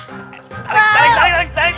tarik tarik tarik tarik tarik